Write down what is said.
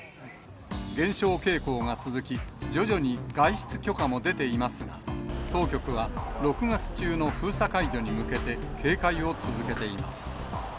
減少傾向が続き、徐々に外出許可も出ていますが、当局は６月中の封鎖解除に向けて、警戒を続けています。